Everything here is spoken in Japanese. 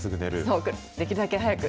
そう、できるだけ早く。